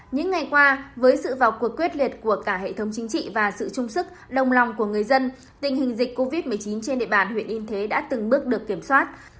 những ngày qua với sự vào cuộc quyết liệt của cả hệ thống chính trị và sự trung sức đồng lòng của người dân tình hình dịch covid một mươi chín trên địa bàn huyện yên thế đã từng bước được kiểm soát